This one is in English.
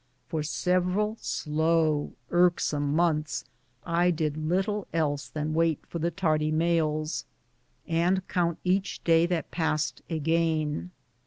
For several slow) irksome months I did little else than wait for the tardy mails, and count each day that passed a gain.